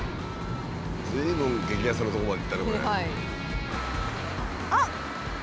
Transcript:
ずいぶん激安な所まで行ったねこれ。